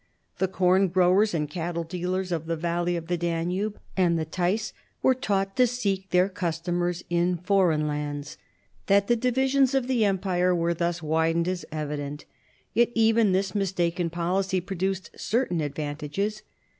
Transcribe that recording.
The corn growers and cattle dealers of the valleys of the Danube and the Theiss were taught to seek their customers in foreign lands. That the divisions of the Empire were thus widened is evident; yet even this mistaken policy produced certain advantages.